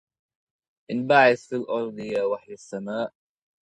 انبعث في الأرض يا وحي السماء